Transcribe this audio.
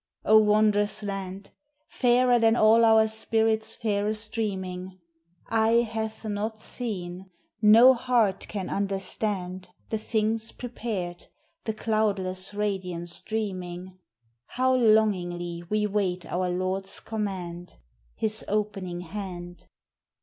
Oh, wondrous land ! Fairer than all our spirit's fairest dreaming: DEATH: IMMORTALITY: HEAVEN. 403 " Eye hath not seen," no heart can understand The things prepared, the cloudless radiance streaming. How longingly we wait our Lord's command — His opening hand!